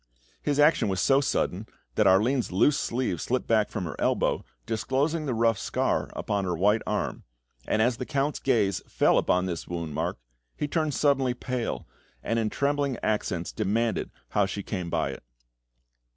His action was so sudden that Arline's loose sleeve slipped back from her elbow, disclosing the rough scar upon her white arm, and as the Count's gaze fell upon this wound mark, he turned suddenly pale, and in trembling accents demanded eagerly how she came by it.